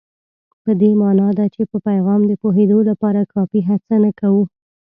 په دې مانا ده چې په پیغام د پوهېدو لپاره کافي هڅه نه کوو.